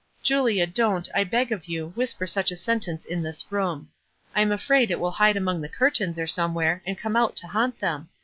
8 WISE AND OTHERWISE. "Julia, don't, I beg of you, whisper such a sentence in this room. I am afraid it will hide among the curtains or somewhere, and come out to haunt them.